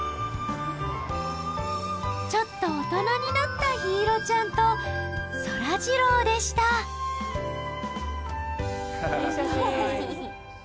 ちょっと大人になった陽彩ちゃんとそらジローでしたいい写真。